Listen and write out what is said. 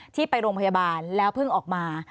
ที่ไปโรงพยาบาลแล้วเพิ่งออกมา